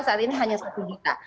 saat ini hanya satu juta